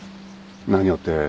何をって。